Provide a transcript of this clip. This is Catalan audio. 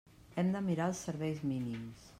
Hem de mirar els serveis mínims.